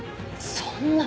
そんな。